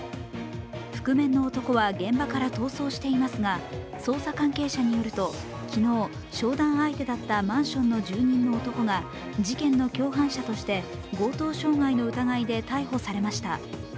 覆面の男は現場から逃走していますが、捜査関係者によると昨日、商談相手だったマンションの住人の男が事件の共犯者として強盗傷害の疑いで逮捕されました。